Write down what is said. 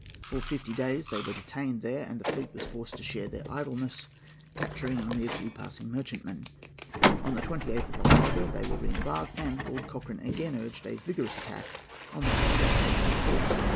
For fifty days they were detained there, and the fleet was forced to share their idleness, capturing only a few passing merchantmen. On the 28th of October they were re embarked, and Lord Cochrane again urged a vigorous attack on the capital and its port.